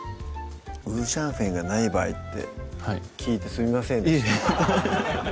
「五香粉がない場合」って聞いてすいませんでした